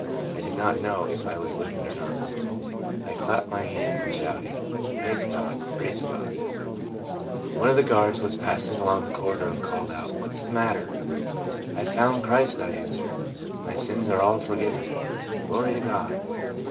I did not know if I was living or not. I clapped my hands and shouted, " Praise God ! Praise God !" 30 TRANSFORMED. One of the guards was passing along the corridor, and called out, " What 's the mat ter ?"" I 've found Christ," I answered ;" my sins are all forgiven. Glory to God!"